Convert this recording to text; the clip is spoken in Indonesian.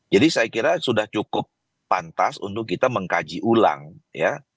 jadi saya kira sudah cukup pantas untuk kita mengkaji ulang ya